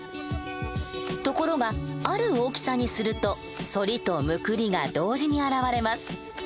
ところがある大きさにするとそりとむくりが同時に現れます。